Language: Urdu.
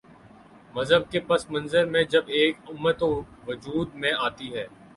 مذہب کے پس منظر میں جب ایک امت وجود میں آتی ہے۔